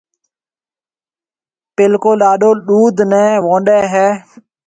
پيلڪو لاڏو ڏُوڌ نيَ وونڏَي ھيََََ